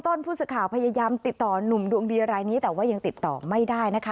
ต้นผู้สื่อข่าวพยายามติดต่อหนุ่มดวงดีรายนี้แต่ว่ายังติดต่อไม่ได้นะคะ